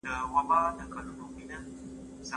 تاسو اړتیا نلرئ پیسې ورکړئ.